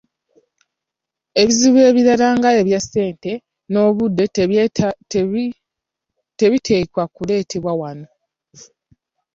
Ebizibu ebirala nga ebya ssente, n’obudde tebiteekwa kuleetebwa wano.